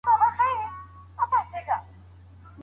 البته دا شرط حتمي ندی.